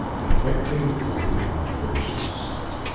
AFFECTING COPY OF VERSES.